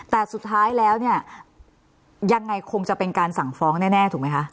แต่สุดท้ายแล้วเนี่ยยังไงคงจะเป็นการสั่งฟ้องแน่ถูกไหมคะ